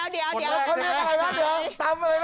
เดี๋ยวเดี๋ยวเดี๋ยว